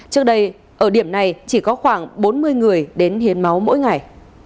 trước đây ở điểm này chỉ có khoảng bốn mươi người đến hiến máu mỗi ngày